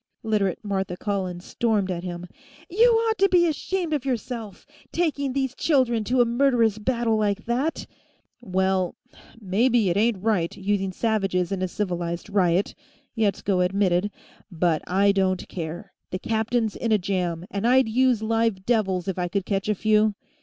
Literate Martha Collins stormed at him. "You ought to be ashamed of yourself, taking these children to a murderous battle like that " "Well, maybe it ain't right, using savages in a civilized riot," Yetsko admitted, "but I don't care. The captain's in a jam, and I'd use live devils, if I could catch a few."